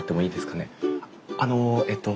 あのえっと